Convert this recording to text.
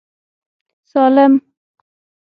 سالم.